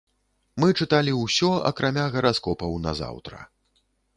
Мы чыталі ўсё акрамя гараскопаў на заўтра.